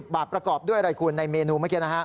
๖๘๓๐บาทประกอบด้วยอะไรคุณในเมนูเมื่อกี้